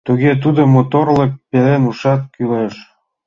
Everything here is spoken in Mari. Туге тудо, моторлык пелен ушат кӱлеш.